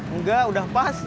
enggak udah pas